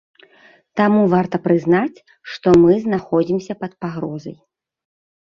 Таму варта прызнаць, што мы знаходзімся пад пагрозай.